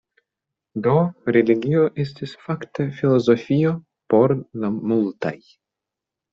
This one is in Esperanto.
Do religio estis fakte filozofio por la multaj.